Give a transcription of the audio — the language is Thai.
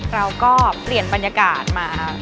เราก็เปลี่ยนบรรยากาศมา